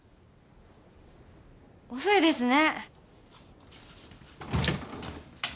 遅いですね。